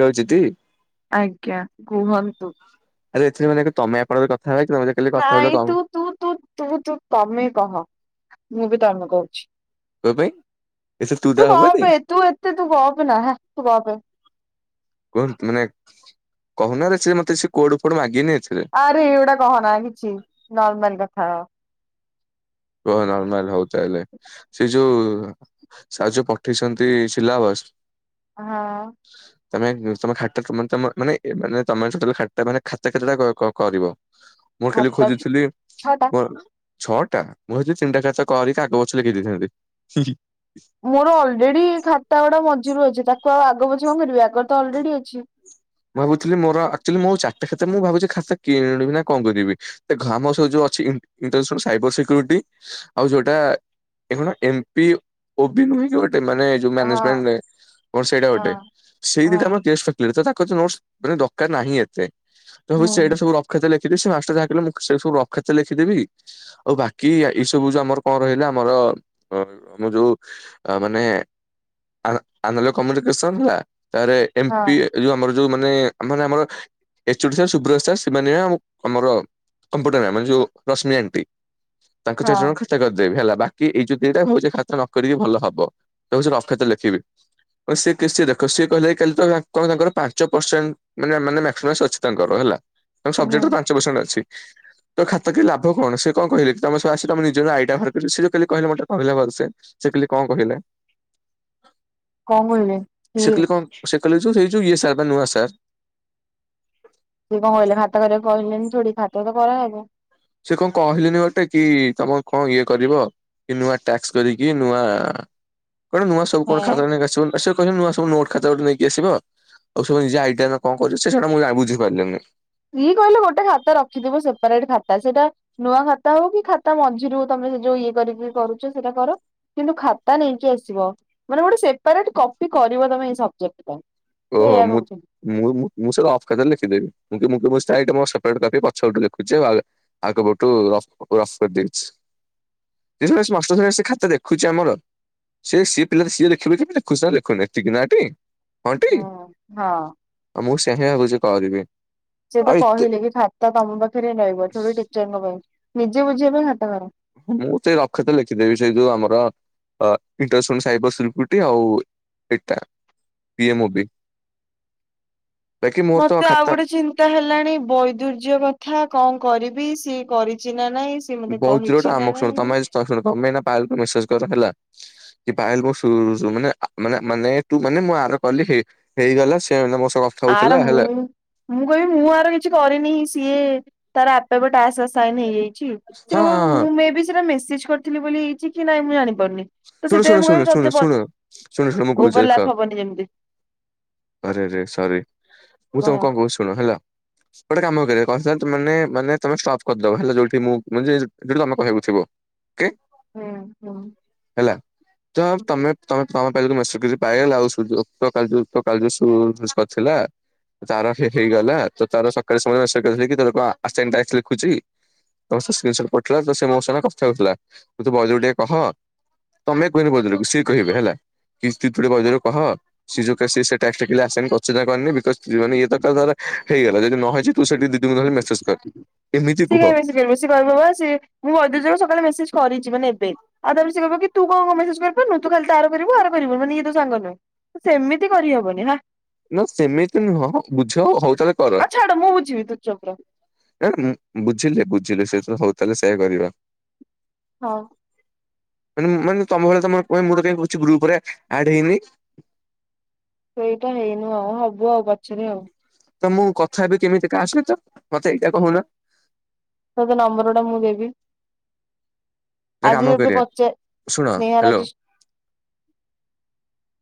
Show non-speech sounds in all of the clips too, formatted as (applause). ରହୁଚି ତି? ଆଜ୍ଞା କୁହନ୍ତୁ? ଆରେ ଏଥିରେ ମାନେ ତମେ ଆପଣ କଥା ହବା କି ତମେ କାଲି କଥା ହଉଥିଲ ନାଇଁ କଣ ତୁ ତୁ ତୁ ତୁ ତୁ ତମେ କହ ମୁଁ ବି ତମେ କହୁଛି। କୋ ପାଇଁ ଏଥିରେ ଦା ତୁ ହବନି ଗପେ, ତୁ ଏତେ ତୁ ଗପେନା ହେ, ତୁ ଗପେ। କୁହନ୍ତୁ ମାନେ, କହୁନ ରେ ସେ ମତେ ସେ କୁଆଡୁ କୁଆଡୁ ମାଗିକି ନେଇଥିବେ। ଆରେ ଏଗୋଡ଼ା କହନା କିଛି ନର୍ମାଲ କଥା ହବା। ହ ନର୍ମାଲ ହଉ ତାହେଲେ। ସେ ଯୋଉ ସାର୍ ଯୋଉ ପଠେଇଛନ୍ତି ସିଲାବସ ହଁ। ତମେ ତମେ ଖାତା ମାନେ ମାନେ ତମେ ଖାତା ମାନେ ଖାତା କେତଟା କରିବ? ମୁଁ ଖାଲି ଖାତା ଖୋଜୁଥିଲି ଛଅଟା ମୋ ଛଅ ଟା। ମୁଁ ଭାବୁଥିଲି ତିନିଟା ଚାରିଟା କରିକି ଆଗ ପଛ ଲେଖି ଦେଇଥାନ୍ତି। ମୋର ଅଲରେଡି ଖାତା ଗୁଡା ମଝିରୁ ଅଛି, ତାକୁ ଆଉ ଆଗ ପଛ କଣ କରିବି ଆଗ ତ ଅଲରେଡି ଅଛି। ମୁଁ ଭାବୁଥିଲି ମୋର, ଆକ୍ଚୁଲି ମୋ ଚାରିଟା ଖାତା ମୁଁ ଭାବୁଛି ଖାତା କିଣିବି ନା କଣ କରିବି? ଦେଖ ଆମର ସେ ଯୋଉ ଅଛି, ଇଣ୍ଟର ସାଇବର ସିକ୍ୟୁରିଟି। ଆଉ ଯୋଉଟା ଏ ଗୋଡ଼ା ଏମ୍ ପି ଓ ପି ନୁହେଁ କି ଗୋଟେ ମାନେ ଯୁ ହଁ ମ୍ୟାନେଜମେଣ୍ଟ, ଓ ସେଇଟା ଗୋଟେ ହଁ ସେଇ ଦିଟା ହଁ ମୋର (unintelligible) ଟ ନୋଟ୍ସ୍ ମାନେ ଦରକାର ନାହିଁ ଏତେ। ହଉ ହୁଁ। ସେଇଟା ସବୁ ରଫ ଖାତାରେ ଲେଖି ଯଦି ସେ ମାଷ୍ଟର ଯାହା କହିଲେ, ମୁଁ ସେଇ ସବୁ ରଫ ଖାତାରେ ଲେଖିଦେବି। ଆଉ ବାକି ଏଇ ସବୁ ଯୋଉ ଆମର କଣ ରହିଲା, ଆମର ଅ ଆମ ଯୋଉ। ମାନେ ଆମର କମ୍ୟୁନିକେସନ ଥିଲା, ତାପରେ ଏମ୍‌ ପି ହଁ ଏ ଯଉ ଆମର ଯୋଉ ମାନେ, ମାନେ ଆମର ଏଚ୍ ଓ ଡ଼ି ସାର୍, ସୁ୍ର୍ବତ ସାର୍, ସେମାନେ ଆଉ ଆମର କମ୍ପୁଟର ମ୍ୟାମ, ଯୋଉ ରଶ୍ମି ଆଣ୍ଟି, ତାଙ୍କ ଚାରି ହଁ ଜଣଙ୍କ କରିଦେବି ହେଲା ବାକି ଏଇ ଯୋଉ ଦିଟା, ହଉଛି ଭାବୁଚି ଖାତା ନ କରିକି ଭଲ ହବ, ଯାଉଛି ରଫ ଖାତାରେ ଲେଖିବି। ଓ କି ସିଏ ଦେଖ ସିଏ କହଲେ କି କାଲି ତ ନା କଣ ତାଙ୍କର ପାଞ୍ଚ ପରସେଣ୍ଟ, ମାନେ ମାକ୍ସଇମମ୍ ସରିଚି ତାଙ୍କର ହେଲା, ହୁଁ ସବଜେକ୍ଟ ତାଙ୍କର ପାଞ୍ଚ ପର୍ସେଣ୍ଟ ଅଛି। ତ ଖାତା ଥିଲା ଲାଭ କଣ, ସେ କଣ କହିଲେ କି ତମ ତମ ନିଜର ଆଇଡିଆ ବାହାର କରି, ସେ ଯଉ କହିଲେ ମ କହିଲା ସେ ସେ କାଲି କଣ କହିଲା? କଣ କହିଲେ ସେ କିଏ? କଲି କଣ ସେ କଲେ ସେ ଯୁ ଇଏ ସାର୍ ବା ନୂଆ ସାର୍। ସିଏ କଣ କହିଲେ ଭାତ କରିବାକୁ କହିଲେନି ଥୋଡ଼ି ଭାତ ତ କରାହବ। ସେ କଣ କହିଲେନି ବୋଲି ଟେକି ତମର କଣ ଇଏ କରିବ। କି ନୂଆ ଟାସ୍କ କରିକି ନୂଆ କଣ ନୂଆ ସବୁ କଣ ହେଁ ଖାତା ନେଇକି ଆସିବ ଆସିବ। କହିଲେ ନୂଆ ସବୁ ନୋଟ ଖାତା ଗୋଟେ ନେଇକି ଆସିବ ଆଉ ସବୁ ନିଜ ଆଇଡିଆରେ କଣ କରିବ ସେଟା ମୁଁ ଛାଡ଼ ମୁଁ ବୁଝିପାରିଲିନି। ଇ କହିଲେ ଗୋଟେ ଖାତା ରଖିଥିବୁ ସେପାରେଟ ଖାତା ସେଇଟା ନୂଆ ଖାତା ହଉ କି ଖାତା ମଝିରୁ ତମେ ଯୋଉ ଇଏ କରିକି କରୁଚ ସେଇଟା କର। କିନ୍ତୁ ଖାତା ନେଇକି ଆସିବ ମାନେ ଗୋଟେ ସେପାରେଟ କପି କରିବ ତମେ ଏଇ ସବଜେକ୍ଟ ପାଇଁ। ସେ ଓହୋ ଏଇଆ ମୁଁଚ୍ କହୁଥିଲି। ମୁଁ -ମୁଁ ସେଟା ଅଫ ଖାତାରେ ଲେଖି ଦେବି। ମୁଁ କହିବି (unintelligible) ସେପାରେଟ୍ ପଛପଟେ ଲେଖୁଛି ଆଉ। ଆଗପଟୁ ରଫ୍ ରଫ୍ କରିଦେଇଛି। (unintelligible) ମାଷ୍ଟର ଆସି ଖାତା ଦେଖୁଛି ଆମର। ସେ ସେ ସିଏ ପିଲା ସିଏ ଦେଖିବେ କେ ଦେଖୁଚି ନା ଲେଖୁନି ନାଟି। ହଁ ଟି ହଁ ଆଉ ମୁଁ ସେହିଁଆ ଭାବୁଚି କରିବି। ସିଏ ତ ଆଉ ଏତେ କହିଲେ କି ଖାତା ତମ ପାଖରେ ରହିବ ଥୋଡି ଟିଚରଙ୍କ ପାଇଁ ନିଜେ ବୁଝିବା ପାଇଁ ଖାତା କାଢ। ମୁଁ ସେଇ ରଫ୍ ଲେଖିଦେବି ସେଇ ଯୋଉ ଆମର ଅ ଇଣ୍ଟରସୁନ୍ ସାଇବର ସିକୃରିଟୀ ଆଉ ଏଟା। ପି ଏମ ଓ ବିି। ମୋତେ ଆଉ ଗୋଟେ ଚିନ୍ ତ ହେଲାଣି ବୈଦୁର୍ଯ୍ୟ କଥା କଣ କରିବି ସିଏ କରିଛି ନା ନାଇଁ। ସେ ମତେ ବହୁତ ଦୂରଟା କହିଛି ନା ଆମକୁ ଶୁଣ ନାଇଁ। ତମେ ଶୁଣ ତମେ ଏଇନୁକା ପାଲ୍ କୁ ମେସେଜ୍ କର ହେଲା। କି ପାୟେଲେ ବ ସୁ ମାନେ ମାନେ ମାନେ ତୁ ମାନେ ମୁଁ ଆର କଲି ହି ହେଇଗଲା ସେ ଏଇନା ମୋ ସଡଫ୍। ଆର ମୁଁ ମୁଁ କହିବି ମୁଁ ଆର କିଛି କରିନି ସିଏ ତାର ଆପେଆପେ ଟାସ୍ ଆସାଇନ ହେଇଯାଇଛି। ସେ ହଁ କହିବ ହଁ ମୁଁ ମେ ବି ସେଟା ମେସେଜ କରିଥିଲି ବୋଲି ହେଇଛି କି ନାଇଁ ମୁଁ ଜାଣିପାରୁନି। ତ ଶୁଣ ସେଥିପାଇଁ ଶୁଣ ମୁଁ ଶୁଣ କହିବି ଶୁଣ ତତେ ପ ଶୁଣ ଶୁଣ ଶୁଣ ଶୁଣ ମୁ କହୁଚି ଦେଖ। ଓଭରଲାପ ହବନି ଯେମିତି ଆରେରେ ସରି ମୁଁ କହ ତମକୁ କଣ କହୁଛି ଶୁଣ ହେଲା। ଗୋଟେ କାମ କରିବା କହିଲ ତେ ମାନେ ମାନେ ତମେ ଷ୍ଟପ୍ କରିଦବ ହେଲା ଯୋଉଠି ମୁଁ (unintelligible) ଯୋଉଠି ତମେ କହିବାକୁ ଥିବ। କେ। ହୁଁ ହଁ। ହେଲା। ତ ତମେ ତମେ ତମ ପାଇଁ ମେସେଜ୍ ପାଇଗଲା ଆଉ ସୂର୍ଯ୍ୟ ଉକ୍ତ କାଲି ତ ଉକ୍ତ କାଲି ତ ଜୁସ୍ କରିଥିଲା। ତାର ହେ ହେଇଗଲା ତ ତାର ସକାଳେ ସମୟ ରେ କି ତ ସାଇନ୍ ଟାସ୍କ ଲେଖୁଛି। ଅବଶ୍ୟ ସ୍କ୍ରିନ୍ ସଟ୍ ପଠେଥିଲା ତ ସେ ମୋ ସାଙ୍ଗେ କଥା ହଉଥିଲା ତୁ ବୈଦକୁ ଟିକେ କହ। ତମେ କୁହେନି ବଇଦ ଲୋକ ସେ କହିବେ ବଦଳକୁ ସିଏ କହିବେ ହେଲା କି ସଟେ ବଇଥଳ କହ। ସିଏ ଯୋ କେସି ସେଇ ଟାକ୍ସ ଆସାମି କରିଚି ନା କରିନି ବିକଜ୍ ଇଏ ତ କରିଦେଲା ହେଇଗଲା ଯଦି ନହେଇଚି। ତୁ ସେ ଦିଦି ଙ୍କୁ ଧରି ମେସେଜ କର। ଏମିତି ସେ କୁହ କାଇଁ ମେସେଜ କରିବ ସେ କହିବ ପା ସେ ମୁଁ ବଦ୍ୟ ସକାଳେ ମେସେଜ୍ କରିଛି ମାନେ ଏବେ। ଆଉ ତା ପରେ ସେ କହିବ କି ତୁ କଅଁ ମେସେଜ କରିପାରୁନୁ ତୁ କାଲି ତାର କରିବୁ ଆର କରିବୁନୁ ମାନେ ଇଏ ତୋ ସାଙ୍ଗ ନୁହଁ। ସେମିତି କରିହବନି ହା। ନା ସେମିତି ନୁହଁ ବୁଝ ହଉ ତାହାଲେ। ଆ ଛାଡ ମୁଁ ବୁଝିବି ତୁ ଚୁପ୍ ର। ଏ ମୁ ବୁଝିଲି ବୁଝିଲି ସେ (unintelligible) ହଉ ତାଲେ ସେୟା କରିବା। ହଁ। ମାନେ ମାନେ ତମ ଭଳିଆ ତ ମୁ କାଇଁ ମୁ ତ କାଇଁ କିଛି ଗ୍ରୁପ୍ ରେ ଆଡ ହେଇନି। ସେଇଟା ହେଇନୁ ଆଉ ହବୁ ଆଉ ପଛରେ ଆଉ। ତ ମୁଁ କଥା ହେବି କେମିତି କା ସହିତ ମତେ ଏଇଟା କହୁନ। ତତେ ନମ୍ବର ଗୋଟା ମୁଁ ଦେବି। ଗୋଟେ ଆଜି କାମ ଯଦି କରିବା ପଚା ଶୁଣ ସ୍ନେହା ହ୍ୟାଲୋ ରାଜିି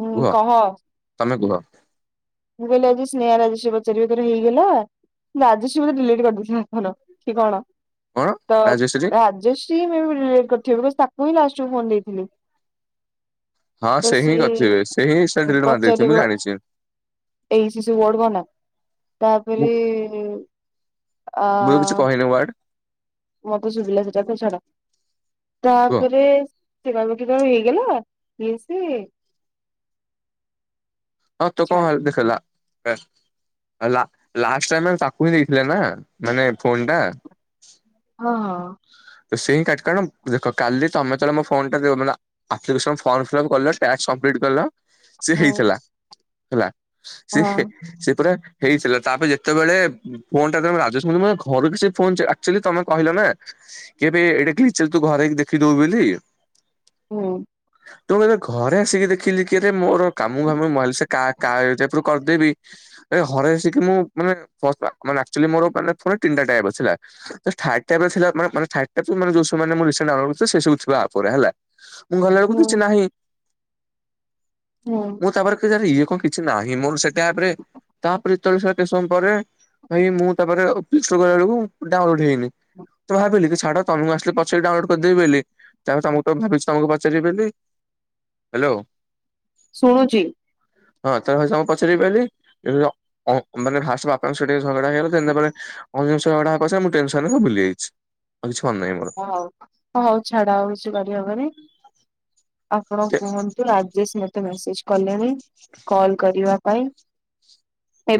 ହୁଁ କୁହ କହ। ତମେ କୁହ। ମୁଁ କହିଲି ଆଜି ସ୍ନେହା ରାଜେଶ ପଚାରିବ ତୋର ହେଇଗଲା ରାଜେଶ ବୋଧେ ଡିଲେଟ୍ କରିଦେଇଥିବ ଫନ। ତି କଣ କଣ ତ ରାଜେଶ୍ରୀ ରାଜେଶ। (unintelligible) ତାକୁ ହିଁାଷ୍ଟ ଫୋନ ଦେଇଥିଲି। ହଁ ତ ସେ ହିଁ ସିଏ କରିଥିବେ ସେ ହିଁ ଇନ୍ସ୍ତା ଡିଲେଟ୍ ମାରି ଦେଇଥିବେ ମୁଁ ଜାଣିଛି। ଏ ଇ ସି ସି ବୋର୍ଡ ବନା ତାପରେ। ଆ ବୁଲ କିଛି କହିଲ ୱାର୍ଡ। ମତେ ଶୁଭିଲା ସେଟା ତ ଛାଡ଼ କୁହ ତାପରେ। ସେ କଇବକି କ ହେଇଗଲା ଇଏ ସିଏ। ହଁ ତୁ ଛାଡ କଣ ଦେଖେଇଲା। ହେ ଲା ଲାଷ୍ଟ ଟାଇମ ତାକୁ ହିଁ ଦେଇଥିଲେ ନା ମାନେ ଫୋନ ଟା। ହଁ ହଁ ତ ସେ ହିଁ କାଟ କଣ ଦେଖ କାଲି ତମେ ଯେତେବେଳେ ମୋ ଫୋନ ଟା ଦେଖୁଥିଲ ମାନେ ଆପ୍ଲିକସନ ଫର୍ମ ଫିଲି ଅପ୍ କଲ ଟାସ୍କ ସମ୍ବିଟ କଲ ସେ ହଁ ହେଇଥିଲା ହେଲା ସେ ହଁ ହଁ ସେ ପା ହେଇଥିଲା ତାପରେ ଯେତେବେଳେ ଫୋନ ଟା ତମେ ରାଜେଶ କୁ ଘର କିଛି ଫୋନ ସେ ଆକ୍ଚୁଲି ତମେ କହିଲ ନା କେବେ ଏଇଟା କିିଚ ତୁ ଘରେ ହେକି ଦେଖିଇଦବୁ ବୋଲି ହୁଁ ତୁ କ ଘରେ ଆସିକି ଦେଖିଲି କିରେ ମୋର କାମୁା ମୁ ମୋର ସେ କା କର୍ୟା ଆପ ରୁ କରିଦେବି। ହରେସିକି ମୁଁ ମାନେ ଏକ୍ଟୁଏଲୀ ମୋର କହିଲେ ପୁରା ତିନିଟା ଟାବ ଥାର୍ଡ ଟାଵ ରେ ଥିଲା ମାନେ ମାନେ ଥାର୍ଡ ଯୋଉ ସେ ସବୁ ମାନେ ମୁଁ ରିସେଣ୍ଟ ଡାଉନଲୋଡ୍ ଥିବ ସେ ସବୁ ଥିବ ଆପ ଗୁଡ଼ା ହେଲା ମୁଁ ଗଲା ବେଲକୁ ହୁଁ କିଛି ନାହିଁ ହଁ ମୁଁ ତାପରେ ଇଏ କଣ କିଛି ନାହିଁ ମୋର ସେଟାରେ ଆପରେ ତାପରେ କିଛି ସମୟ ପରେ ହାଇ ମୁଁ ତାପରେ ଅଫିସ ରୁ ଗଲା ବେଳକୁ ଡାଉନଲୋଡ ହେଇନି ତ ଭାବିଲି କି ଛାଡ ତମକୁ ଆସିଲେ ପଚାରି କି ଡାଉନଲୋଡ କରିଦେବି ବୋଲି ତାପରେ ତ ତମକୁ ଭାବିଛି ତମକୁ ପଚାରିବି ବୋଲି ହ୍ୟାଲୋ ଶୁଣୁଛି ହଁ ତ ମୁଁ ଭାବିଛି ପଚାରିବି ବୋଲି। ଲ ଅ ମାନେ ଫାର୍ଷ୍ଟ ବାପାଙ୍କ ସହ ଟିକେ ଝଗଡା ହେଇଗଲା ଦେନ୍ ତାପରେ ଅନ୍ୟ ଜିନିଷ ଗୁଡା ମୁଁ ଟେନ୍ସନ୍ ରେ ସବୁ ଭୁଲି ଯାଇଛି। ଆଉ କିଛି ମନେ ନାହିଁ ମୋର। ହଉ ହଉ ଛାଡା ଆଉ କିଛି କରିହେବନି ଆପଣ କୁହନ୍ତୁ ତୁ ରାଜେଶ ମତେ ମେସେଜ କଲେଣି ହ (unintelligible) କଲ କରିବା ପାଇଁ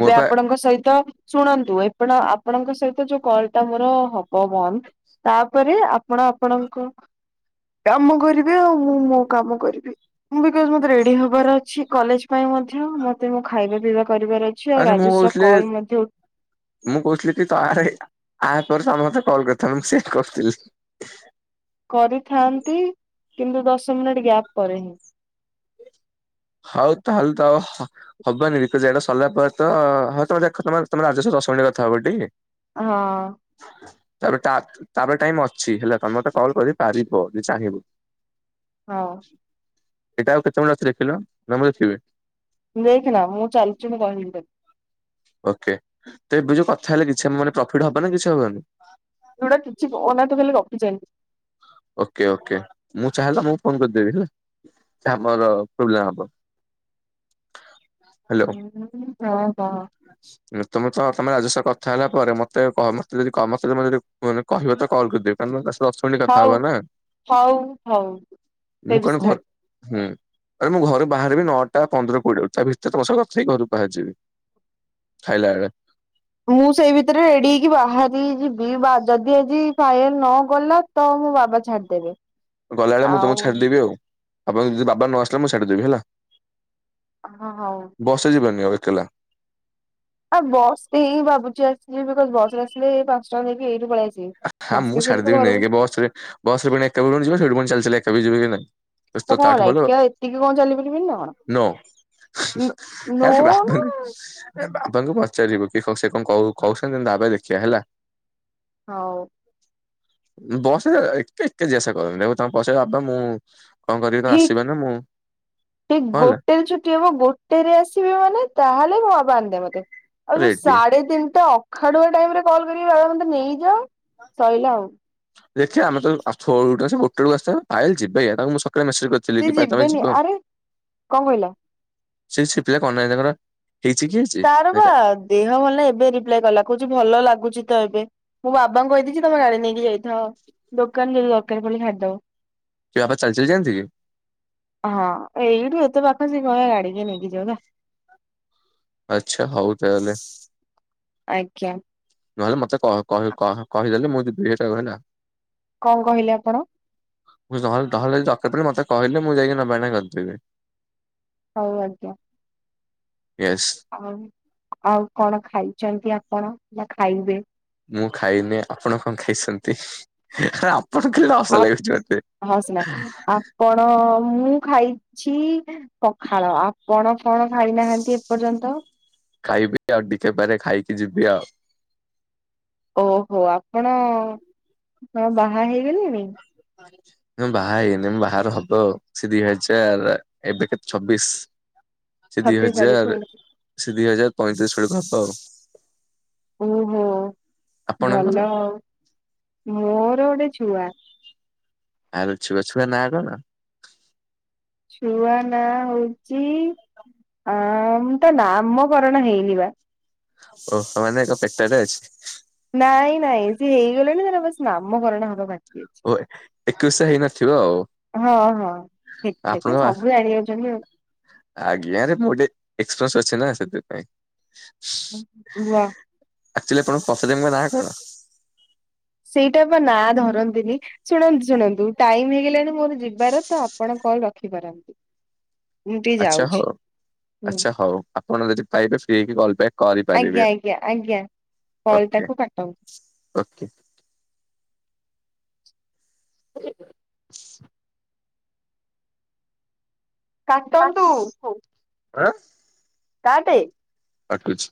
ମୋର ପା ଆପଣଙ୍କ ସହିତ ଶୁଣନ୍ତୁ ଏପଣ ଆପଣଙ୍କ ସହିତ ଯୋଉ କଲ ଟା ମୋର ହବ ବନ୍ଦ ତାପରେ ଆ ପଣ ଆପଣଙ୍କ କାମ କରିବେ ଆଉ ମୁଁ ମୋ କାମ କରିବି ମୁ ବିକଜ ମତେ ରେଡି ହବାର ଅ ଅଛି କଲେଜ ପାଇଁ ମଧ୍ୟ ମତେ ମୁଁ ଖାଇବା ପିଇବା କରିବାର ଅଛି ଆଉ ଆରେ ମୁଁ ରାଜସ କହୁଥିଲି କଲ ମଧ୍ୟ ଉ ମୁଁ କହୁଥିଲି କି ତ ଆରେ ଆପ ସମସ୍ତେ କଲ୍ କରି ମୁଁ ସେ କରୁଥିଲି। କରିଥାନ୍ତି କିନ୍ତୁ ଦଶ ମିନିଟ ଗ୍ୟାପ୍ ପରେ ହିଁ। ହଉ ତାହାଲେ ତ ହବନି ବିକଜ ଏଇଟା ସରଲା ପରେ ତ ହଉ ତମେ ଦେଖ ତ ତମ ରାଜସ୍ ଦଶ ମିନିଟ କଥା ହବ ଟି। ହଁ। ତାପରେ ଟା ତାପରେ ଟାଇମ ଅଛି ହେଲା ତମେ ମତେ କଲ୍ କରି ପାରିବ ଯଦି ଚାହିବ। (inaudible) ହଁ। ଏଟା ଆଉ କେତେବେଳେ ଅଛି ଦେଖିଲ ନା ମୁଁ ଦେଖିବି। ଦେଖ ନା ମୁଁ ଚାଲିଛି ମୁଁ କହିବି (unintelligible) ଓକେ ତ ଏବେ ଯୋଉ କଥା ହେଲେ କିଛି ମାନେ ପ୍ରଫିଟ ହବ ନା କିଛି ହବନି? ଯଉଟା କିଛି କୋଉନାହାଁନ୍ତି ଖାଲି ଗପୁଚନୀ। ଓକେ ଓକେ, ମୁଁ ଚାହିଁଲା ତମୁକୁ ଫୋନ କରିଦେବି ହେଲା। ଆମର ପ୍ରୋବ୍ଲେମ ହବ। ହ୍ୟାଲୋ (unintelligible) ତମେ ତମେ ରାଜସ ସହ କଥା ହେଲା ପରେ ମତେ ମତେ ଯଦି କ ମେ ଯଦି କହିବ ତ କଲ କରିଦେବି। (unintelligible) ଦଶ ମିନିଟ କଥା ହଉ ହବା ନା ହଉ ହଉ ମୁଁ ସେ କଣ ଘ ବିଷୟ। ହୁଁ। ଆରେ ମୁଁ ଘରୁ ବାହାରିବି ନଅଟା ପନ୍ଦର କୋଡିଏ ବାରୁ ତା ଭିତରେ ତମ ସଙ୍ଗ କଥା ହେଇ ଘରୁ ବାହାରି ଯିବି। ଖାଇଲା ଏଳେ। ମୁଁ ସେଇ ଭିତରେ ରେଡି ହେଇକି ବାହାରି ଯିବି ବା ଯଦି ଆଜି ଫାୟଲ ନଗଲା ତ ମୋ ବାବା ଛାଡିଦେବେ। ଗଲାବେଳେ ମୁଁ ତମକୁ ଆଉ ଛାଡ଼ିଦେବି ଆଉ ଆପଣ ଯଦି ବାବା ନ ଆସିଲେ ମୁଁ ଛାଡ଼ିଦେବି ହେଲା। ହଁ ହଉ। ତ ଜୀବନୀ ଆଉ ଏକେଲା। ଆଉ ବସ ହିଁ ଭାବୁଛି ଆସିଲି ବିକଜ ବସ ରେ ଆସିଲେ ପାଞ୍ଚ ଟଙ୍କା ନେଇକି ଏଇଠୁ ପଳେଇ ଆ ହଁ ମୁଁ ଛାଡିଦେବି ନେଇକି ବସ୍ ରେ ବସରେ ପୁଣି ଏକା ବିଣ ଯିବ ସେଠି ଚାଲି ଚାଲି ଏକା ବି ଯିବ କି ନାଇଁ। ବେଶୀ ତ କଣ ତାଠୁ ହେଲା ଭଲ ଏକା ଏତିକି କଣ ଚାଲିପାରିବିନି ନା କଣ। ନୋ। ନୋ ଆରେ (unintelligible) ନା ବାବାଙ୍କୁ ପଚାରିବୁ କି ସେ କଣ କ କହୁଛନ୍ତି ବାବା ଦେଖିବା ହେଲା। ହଉ। ବସ ଏକେ ଏକେ ଜେଷ କର ଦେଖ ତମେ ବସେଇ ବାବା ମୁଁ କଁ କରିବି ତ ଠିକ ଆସିବ ନା ମୁଁ ଠିକ କଣ ହେଲା? ଗୋଟେରେ ଛୁଟି ଗୋଟେରେ ଆସିବି ମାନେ ତାହେଲେ ମୋ ବାବା ଆଣିଦେବେ ମତେ ଆଉ ଯୋଉ ରେଡି। ସାଢେ ତିନିଟା ଅଖାଡୁଆ ଟାଇମରେ କଲ କରିକି ବାବା ମତେ ନେଇଯାଅ ସଇଲା ଆଉ। ଦେଖିଆ ଆମେ ତ (unintelligible) ତାଙ୍କୁ ମୁଁ ସକାଳେ ମେସେଜ୍ କ ସେ ଚିଲିକି ତମେ ଯିବେନି ଯିବ ଆରେ କଣ କହିଲ ସେ ସିପିଲା କଣ ନାହିଁ ତାଙ୍କର ହେଇଛି କି ତାର ବା ଦେହ ଭଲ ନାଇ ଏବେ ରିପ୍ଲାଏ କଲା କହୁଛି ଭଲ ଲାଗୁଛି ତ ଏବେ। ମୁଁ ବାବାଙ୍କୁ କହିଦେଇଛି ତମେ ଗାଡି ନେଇକି ଯାଇଥାଅ ଦୋକାନ ଯଦି ଦରକାର ପଇଲା ଛାଡି ଦବ। କି ବାପା ଚାଲି, ଚାଲି ଯାନ୍ତି କି? ହଁ, ଏଇଠୁ ଏତେ ପାଖା ସ କହ (unintelligible) ଗାଡିକି ନେଇକି ଯାଉ। ଆଚ୍ଛା ହଉ ତାହେଲେ। ଆଜ୍ଞା। ନହେଲେ ମତେ କହି କହିଦେଲେ ମୁଁ ଦୁଇ ହଜାର ଟା କହିଲା (unintelligible) କଣ କହିଲେ ଆପଣ? ମୁଁହେ ତାହେଲେ ଦ ମତେହିଲେ ମୁଁ ଯାଇକି ନେବ କରିଦେବି (unintelligible) ହଉ ଆଜ୍ଞା। ୟେସ୍। ଆଉ ଆଉ କଣ ଖାଇଛନ୍ତି ଆପଣ ନା ଖାଇବେ? ମୁଁ, ଖାଇନି। ଆପଣ କଣ ଖାଇଛନ୍ତି? ପଟ ଖେ (unintelligible) ହସ ଲାଗୁଛି ମୋତେ। କଣ ମୁଁ ଖାଇଛି ପଖାଳ। ବଡ (unintelligible) ଖାଇନାହାନ୍ତି ଏପର୍ଯ୍ୟନ୍ତ। ଖାଇବି ଆଉ ଟିକେପାରେ ଖାଇକି ଯିବି ଆଉ। ଓହୋ ଆପଣ ହଁ ବାହା ହେଇଗଲେଣି? ବାହା ହେଇନି। ବାହାରେ ହବ ଆଉ। ସେ ଦି (unintelligible) ହୋଇଛ ଆ ଏବେ କେତେ ଛବିଶ ସେ ଦି ଛତିଶ ଆଡକୁ ହଜାର ସେ ଦି ହଜାର ପଇଁତିରିଶ ବେଳକୁ ହବ ଆଉ। ଓହୋ ଆପଣଙ୍କର? ଭଲ। ମୋର ଗୋଟେ ଛୁଆ। ଆଉ ଛୁଆ, ଛୁଆ ନା କଣ? ଛୁଆ ନାଁ ହଉଛି, ଆମ ତ ନାମକରଣ ହେଇନି ବା। ଓହ ମାନେ ଏକ ପେଟ ରେ ଅଛି। ନାଇଁ, ନାଇଁ ସେ ହେଇଗଲେଣିି ସେ ବସ ନାମ ଘରଣା ହବା ବାକି ଅଛି। ହ ଏକୋଇଶ ହେଇନଥିବ ଆଉ। ହଁ, ହଁ। ହେଠ (unintelligible) ସବୁ ଜାଣି ଯାଉଛନ୍ତି ଆଉ। ଆଜ୍ଞା। ରେ ମୁୋ ଗଟେ (unintelligible) ଏକ୍ପରି ଅଛି ନା ସେଥିପାଇଁ। ହୁ (unintelligible) ଆକ୍ଚୁଆଲି ଆପଣଙ୍କ ଶଶୁରଙ୍କ ନାଁ କଣ? ସେଇଟା ବା ନାଁ ଧରନ୍ତିନି। ଶୁଣନ୍ତୁ, ଶୁଣନ୍ତୁ ଟାଇମ ହେଇଗଲାଣି ମୋର ଯିବାର ତ ଆପଣ କଲ ରଖିପାରନ୍ତି। ମୁଁ ଟିକେ ଆଚ୍ଛା ହଉ। ଯାଉଛି ହୁଁ ଆଚ୍ଛା ହଉ। ଆପଣ ଯଦି ପାଇବେ ଫ୍ରି ହେଇକି କଲ୍କ୍ ଆଜ୍ଞା। ଆଜ୍ଞା। ଆଜ୍ଞା। କଲ୍ ଓକେ ଟାକୁ କାଟନ୍ତୁ। ଓକେ (unintelligible) ସେ (inaudible) ହ କାଟନ୍ତୁ (unintelligible) କାଟେ। କାଟୁଛି।